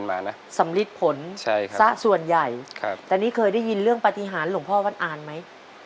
มีผลสะส่วนใหญ่แต่นี่เคยได้ยินเรื่องปฏิหารหลวงพ่อวัดอานไหม